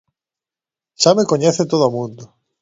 Xa me coñece todo o mundo.